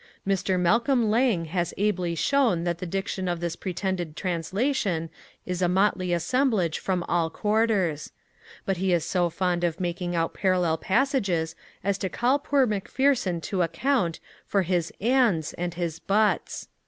Mr. Malcolm Laing has ably shown that the diction of this pretended translation is a motley assemblage from all quarters; but he is so fond of making out parallel passages as to call poor Macpherson to account for his 'ands' and his 'buts!'